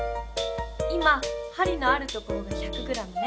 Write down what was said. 今はりのあるところが１００ｇね。